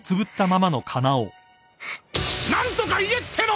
何とか言えっての！